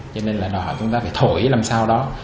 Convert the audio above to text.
cho nên là đòi hỏi chúng ta phải thổi làm sao đó